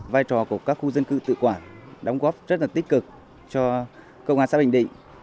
vai trò của các khu dân cư tự quản đóng góp rất là tích cực cho công an xã bình định